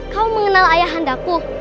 kau mengenal ayah handaku